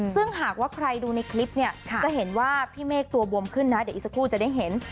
ซึ่งหากว่าใครดูในคลิปเนี่ยจะเห็นว่าพี่เมฆตัวบวมขึ้นนะเดี๋ยวอีกสักครู่จะได้เห็น